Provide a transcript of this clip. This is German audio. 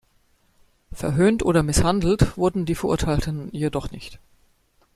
Verhöhnt oder misshandelt wurden die Verurteilten jedoch nicht.